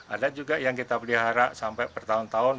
ada juga yang kita pelihara sampai bertahun tahun